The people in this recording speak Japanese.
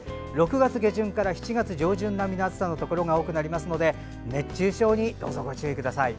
６月下旬から７月下旬並みの暑さのところが多くなりますので熱中症に、どうぞご注意ください。